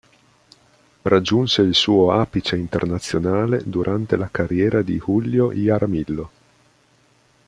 Raggiunse il suo apice internazionale durante la carriera di Julio Jaramillo.